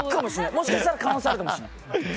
もしかしたら可能性あるかもしれない。